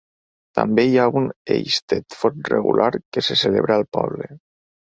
També hi ha un Eisteddfod regular que se celebra al poble.